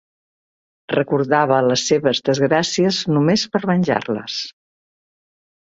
Recordava les seves desgràcies només per venjar-les.